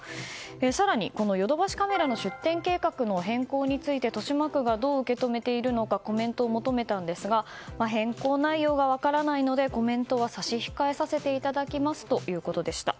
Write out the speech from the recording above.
更にヨドバシカメラの出店計画の変更について豊島区がどう受け止めているのかコメントを求めたんですが変更内容が分からないのでコメントは差し控えさせていただきますということでした。